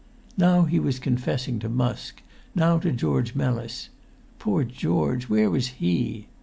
Now he was confessing to Musk, now to George Mellis; poor George, where was he?